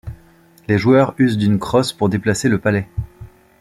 Les joueurs usent d'une crosse pour déplacer le palet.